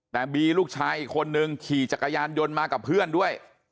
แต่บีลูกชายอีกคนนึงขี่จักรยานยนต์มากับเพื่อนด้วย